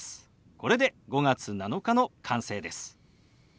これで「５月７日」の完成です。